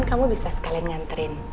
kamu bisa sekalian nganterin